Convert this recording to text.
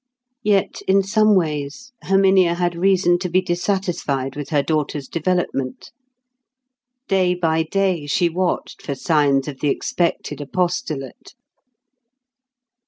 Yet in some ways Herminia had reason to be dissatisfied with her daughter's development. Day by day she watched for signs of the expected apostolate.